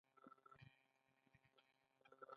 کولپۍ یې پر سر کېښوده، چيني هم ورسره روان شو.